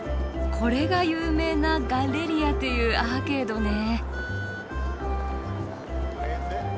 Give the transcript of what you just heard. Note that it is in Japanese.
これが有名なガッレリアというアーケードね。